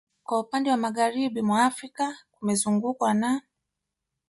Kwa upande wa Magharibi mwa Afrika kumezungukwa na